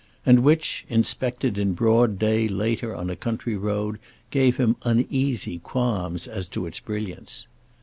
And which, inspected in broad day later on a country road, gave him uneasy qualms as to its brilliance.